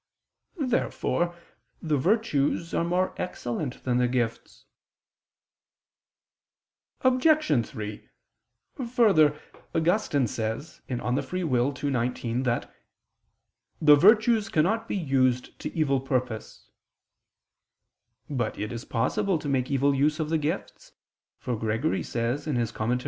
Therefore the virtues are more excellent than the gifts. Obj. 3: Further, Augustine says (De Lib. Arb. ii, 19) that "the virtues cannot be used to evil purpose." But it is possible to make evil use of the gifts, for Gregory says (Moral.